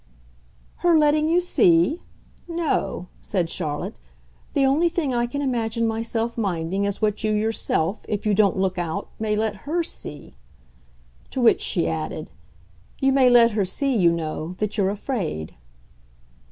"Her letting you see? No," said Charlotte; "the only thing I can imagine myself minding is what you yourself, if you don't look out, may let HER see." To which she added: "You may let her see, you know, that you're afraid."